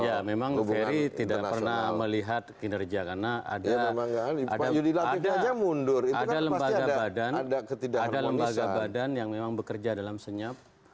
ya memang ferry tidak pernah melihat kinerja karena ada lembaga badan ada lembaga badan yang memang bekerja dalam senyap